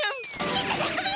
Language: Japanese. いただくべ！